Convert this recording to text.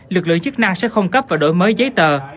lực lượng chức năng sẽ không cấp và đổi mới giấy tờ